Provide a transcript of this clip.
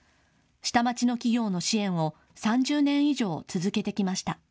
下町の企業の支援を３０年以上続けてきました。